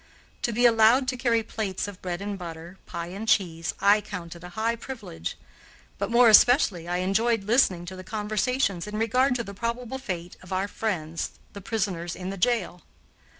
To be allowed to carry plates of bread and butter, pie and cheese I counted a high privilege. But more especially I enjoyed listening to the conversations in regard to the probable fate of our friends the prisoners in the jail.